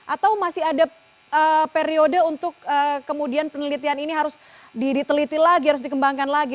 atau masih ada periode untuk kemudian penelitian ini harus diteliti lagi harus dikembangkan lagi